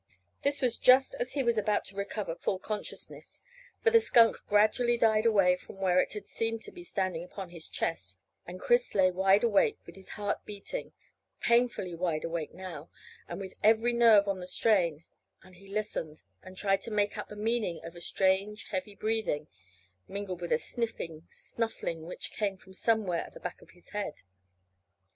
This was just as he was about to recover full consciousness, for the skunk gradually died away from where it had seemed to be standing upon his chest, and Chris lay wide awake with his heart beating, painfully wide awake now, and with every nerve on the strain, as he listened and tried to make out the meaning of a strange heavy breathing mingled with a sniffing, snuffling which came from somewhere at the back of his head.